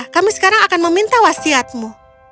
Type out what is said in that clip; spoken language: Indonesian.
kami sekarang akan meminta wasiatmu